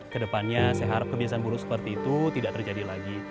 kedepannya saya harap kebiasaan buruh seperti itu tidak terjadi lagi